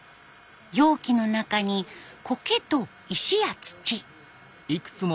容器の中にコケと石や土。